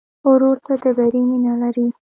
ورور ته د بری مینه لرې.